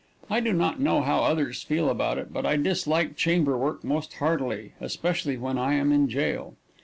I do not know how others feel about it, but I dislike chamberwork most heartily, especially when I am in jail.